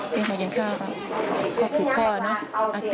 เรียกมากินข้าวครับ